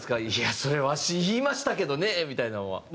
いやそれわし言いましたけどねみたいなんは。